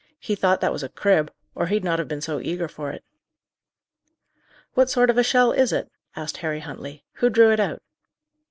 He thought that was a crib, or he'd not have been so eager for it." "What sort of a shell is it?" asked Harry Huntley. "Who drew it out?"